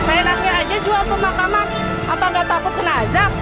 saya nanti aja jual ke makamah apa nggak takut kena ajak